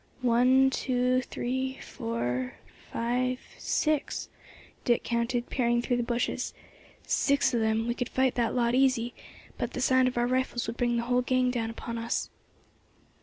"One, two, three, four, five, six," Dick counted, peering through the bushes. "Six of them; we could fight that lot easy, but the sound of our rifles would bring the whole gang down upon us."